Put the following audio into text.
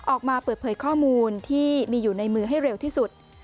ออกมาเปิดเผยข้อมูลที่มีอยู่ในมือให้เร็วที่สุด